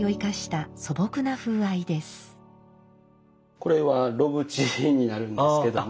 これは炉縁になるんですけども。